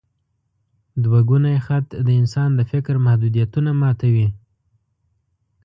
دوګوني خط د انسان د فکر محدودیتونه ماتوي.